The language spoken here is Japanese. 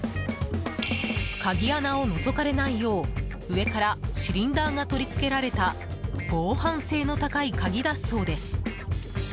鍵穴をのぞかれないよう上からシリンダーが取り付けられた防犯性の高い鍵だそうです。